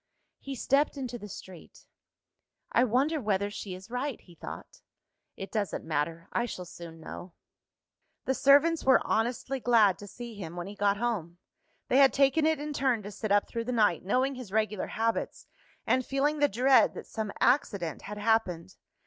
He stepped into the street. "I wonder whether she is right?" he thought. "It doesn't matter; I shall soon know." The servants were honestly glad to see him, when he got home. They had taken it in turn to sit up through the night; knowing his regular habits, and feeling the dread that some accident had happened.